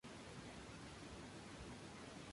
El aborto es apenas una variante de la pena de muerte".